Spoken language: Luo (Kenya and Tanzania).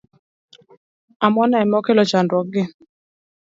Amwana ema okelo chandruok gi.